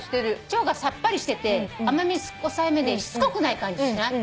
チョコがさっぱりしてて甘味抑えめでしつこくない感じしない？